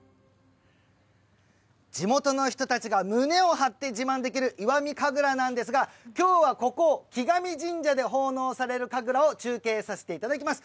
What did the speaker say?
地元の人たちが胸を張って自慢できる石見神楽なんですがきょうはここ、城上神社で奉納される神楽を中継させていただきます。